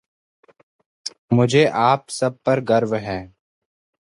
मुझे आप सब पर गर्व है।